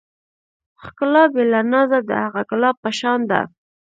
ښکلا بې له نازه د هغه ګلاب په شان ده.